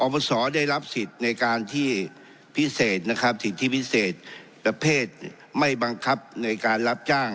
ประสอได้รับสิทธิ์ในการที่พิเศษนะครับสิทธิพิเศษประเภทไม่บังคับในการรับจ้าง